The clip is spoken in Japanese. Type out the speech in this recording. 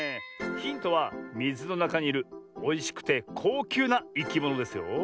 ヒントはみずのなかにいるおいしくてこうきゅうないきものですよ。